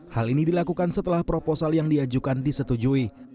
hal ini dilakukan setelah proposal yang diajukan disetujui